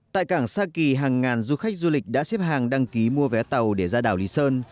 tại cảng sa kỳ hàng ngàn du khách du lịch đã xếp hàng đăng ký mua vé tàu để ra đảo lý sơn